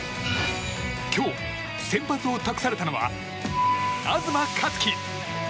今日、先発を託されたのは東克樹。